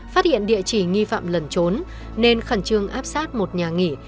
phát hiện địa chỉ nghi phạm lần trốn nên khẩn trương áp sát một nhà nghỉ